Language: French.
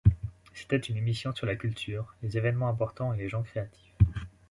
C’était une émission sur la culture, les événements importants et les gens créatifs.